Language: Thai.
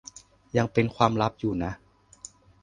ยังเป็นความลับอยู่นะ